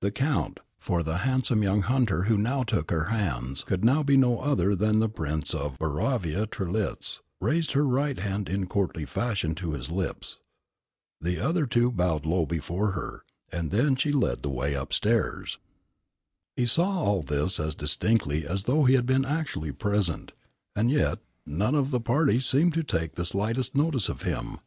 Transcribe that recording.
The Count for the handsome young hunter who now took her hands could now be no other than the Prince of Boravia Trelitz raised her right hand in courtly fashion to his lips. The other two bowed low before her, and then she led the way up the stairs. He saw all this as distinctly as though he had been actually present, and yet none of the party seemed to take the slightest notice of him.